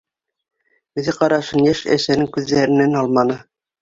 Үҙе ҡарашын йәш әсәнең күҙҙәренән алманы.